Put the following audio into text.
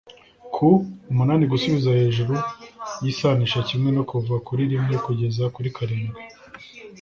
ku “umunani” gusubiza hejuru yisanisha kimwe no kuva kuri rimwe kugera kuri karindwi?